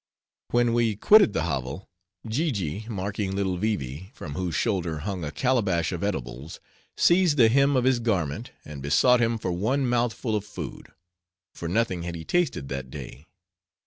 When we quitted the hovel, Jiji, marking little Vee Vee, from whose shoulder hung a calabash of edibles, seized the hem of his garment and besought him for one mouthful of food; for nothing had he tasted that day.